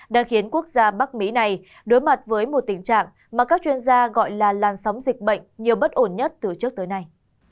đang khiến quốc gia bắc mỹ này đối mặt với một tình trạng mà các chuyên gia gọi là lan sóng dịch bệnh nhiều bất ổn nhất từ trước tới nay